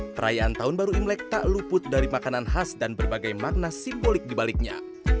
perayaan tahun baru imlek tak luput dari makanan khas dan berbagai makna simbolik dibaliknya